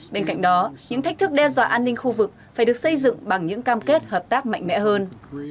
bên cạnh đó những thách thức đe dọa an ninh khu vực phải được xây dựng bằng những cam kết hợp tác mạnh mẽ hơn